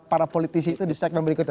para politisi itu di segmen berikutnya